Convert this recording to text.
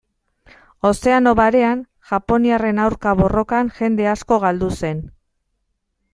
Ozeano Barean, japoniarren aurka borrokan, jende asko galdu zen.